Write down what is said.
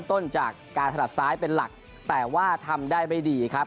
ต้นจากการถนัดซ้ายเป็นหลักแต่ว่าทำได้ไม่ดีครับ